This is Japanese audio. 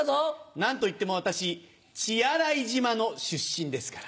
何といっても私血洗島の出身ですから。